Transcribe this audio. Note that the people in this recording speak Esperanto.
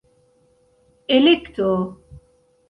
elekto